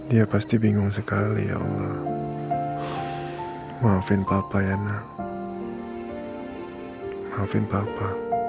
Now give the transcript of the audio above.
ia pasti bingung sekali ya allah maafin papa ya nak maafin papa